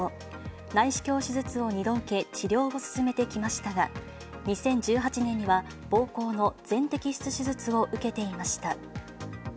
内視鏡手術を２度受け、治療を進めてきましたが、２０１８年にはぼうこうの全摘出手術を受けていました。